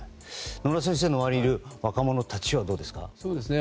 野村先生の周りにいる若者たちはどうですか。